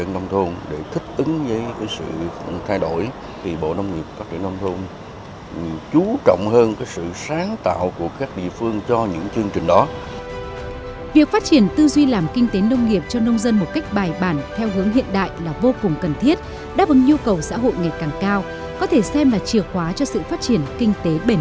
nông nghiệp sinh thái nông dân văn minh